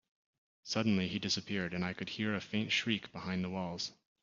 Suddenly, he disappeared, and I could hear a faint shriek behind the walls.